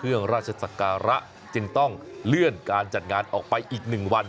ราชศักระจึงต้องเลื่อนการจัดงานออกไปอีก๑วัน